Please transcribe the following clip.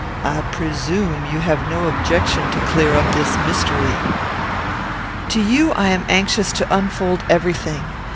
I presume you have no objection to clear up this mystery." "To you I am anxious to unfold every thing.